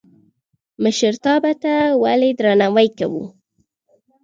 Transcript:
مشرتابه ته ولې درناوی کوو؟